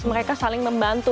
mereka saling membantu